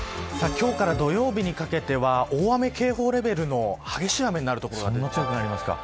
今日から土曜日にかけては大雨警報レベルの激しい雨になる所があります。